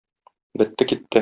Бетте-китте.